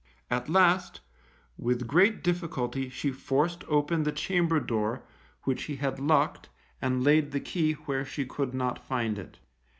At last, with great difficulty she forced open the chamber door, which he had locked (and laid the key where she could not find it).